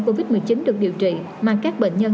covid một mươi chín được điều trị mà các bệnh nhân